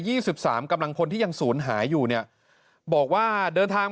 สิบสามกำลังพลที่ยังศูนย์หายอยู่เนี่ยบอกว่าเดินทาง